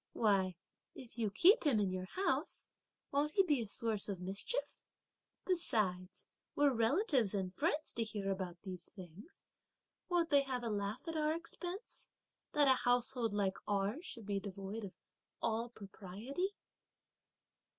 Why, if you keep him in your house, won't he be a source of mischief? Besides, were relatives and friends to hear about these things, won't they have a laugh at our expense, that a household like ours should be so devoid of all propriety?"